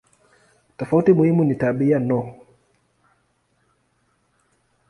Tofauti muhimu ni tabia no.